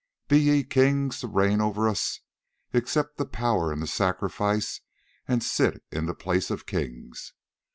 Be ye kings to reign over us! Accept the power and the sacrifice, and sit in the place of kings.